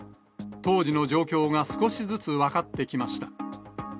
当時の状況が少しずつ分かってきました。